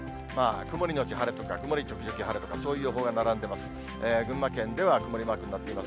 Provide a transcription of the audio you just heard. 曇り後晴れとか、曇り時々晴れとか、そういう予報が並んでます。